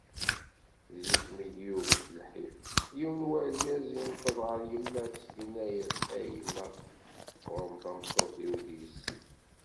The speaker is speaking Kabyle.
Zik mi yuget lḥif, yiwen urgaz yenṭeq ɣer yemma-s, yenna-as: “A yemma, ɣur-m tameṭṭut-iw d yessi."